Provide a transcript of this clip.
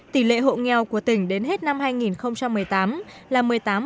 tỷ lệ hộ nghèo của tỉnh đến hết năm hai nghìn một mươi tám là một mươi tám hai mươi ba